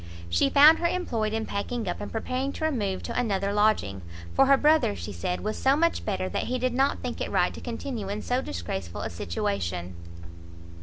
She found her employed in packing up, and preparing to remove to another lodging, for her brother, she said, was so much better, that he did not think it right to continue in so disgraceful a situation.